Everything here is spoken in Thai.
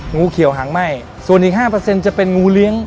งูเขียวหางไหม้ส่วนอีกห้าเปอร์เซ็นต์จะเป็นงูเลี้ยง